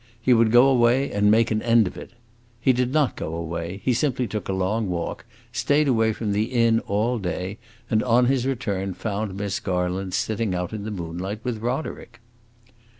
He would go away and make an end of it. He did not go away; he simply took a long walk, stayed away from the inn all day, and on his return found Miss Garland sitting out in the moonlight with Roderick.